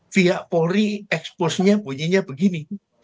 fiat polri eksposnya punya begini